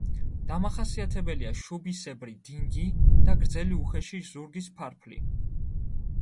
დამახასიათებელია შუბისებრი დინგი და გრძელი უხეში ზურგის ფარფლი.